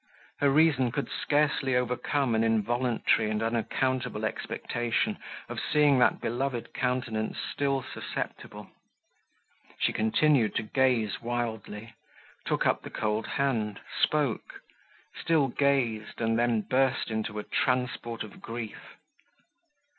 Her reason could scarcely overcome an involuntary and unaccountable expectation of seeing that beloved countenance still susceptible. She continued to gaze wildly; took up the cold hand; spoke; still gazed, and then burst into a transport of grief.